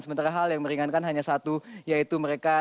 sementara hal yang meringankan hanya satu yaitu mereka